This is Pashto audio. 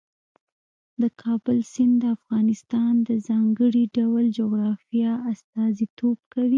د کابل سیند د افغانستان د ځانګړي ډول جغرافیه استازیتوب کوي.